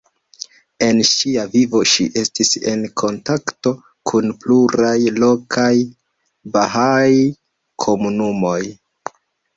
En ŝia vivo ŝi estis en kontakto kun pluraj lokaj bahaaj komunumoj.